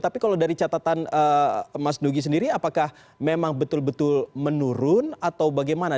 tapi kalau dari catatan mas nugi sendiri apakah memang betul betul menurun atau bagaimana